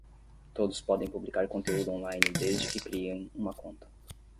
Todos podem publicar conteúdo on-line desde que criem uma conta